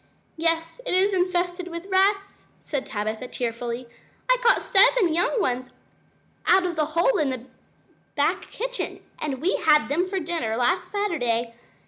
"Yes, it is infested with rats," said Tabitha tearfully. "I caught seven young ones out of one hole in the back kitchen, and we had them for dinner last Saturday.